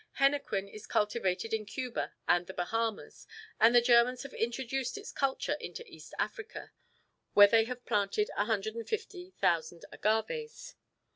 Henequen is cultivated in Cuba and the Bahamas and the Germans have introduced its culture into East Africa, where they have planted 150,000 agaves.